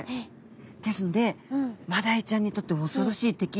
ですのでマダイちゃんにとって恐ろしい敵